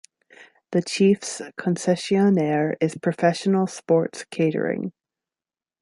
The Chiefs' concessionaire is Professional Sports Catering.